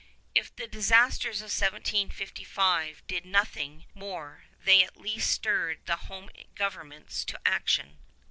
If the disasters of 1755 did nothing more, they at last stirred the home governments to action.